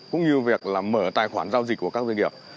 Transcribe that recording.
cũng như việc là mở tài khoản giao dịch của các doanh nghiệp